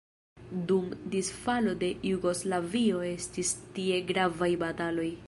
Dum disfalo de Jugoslavio estis tie gravaj bataloj.